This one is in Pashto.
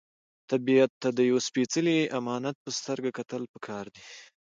طبیعت ته د یو سپېڅلي امانت په سترګه کتل پکار دي.